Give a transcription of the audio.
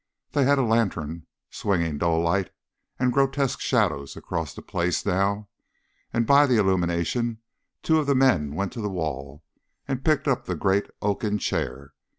They had a lantern, swinging dull light and grotesque shadows across the place now, and by the illumination, two of the men went to the wall and picked up the great oaken chair.